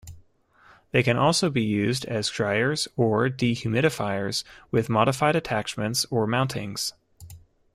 They can also be used as dryers or dehumidifiers with modified attachments or mountings.